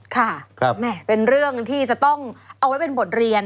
ค่ะเป็นเรื่องที่จะต้องเอาไว้เป็นบทเรียน